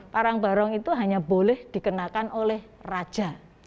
parang barong itu hanya boleh dikenakan oleh raja